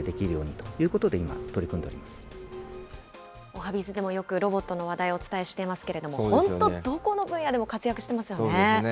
おはＢｉｚでもよくロボットの話題をお伝えしていますけれども、本当、どこの分野でも活躍してますよね。